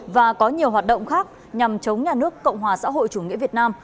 và có nhiều hoạt động khác nhằm chống nhà nước cộng hòa xã hội chủ nghĩa việt nam